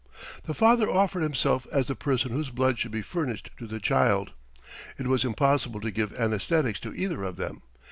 "The father offered himself as the person whose blood should be furnished to the child. It was impossible to give anæsthetics to either of them.